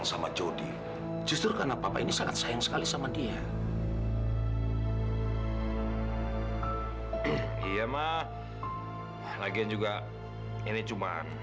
sampai jumpa di video selanjutnya